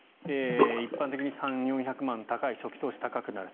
一般的に３００４００万高い初期投資が高くなる。